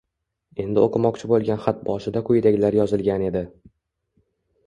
Endi o`qimoqchi bo`lgan xatboshida quyidagilar yozilgan edi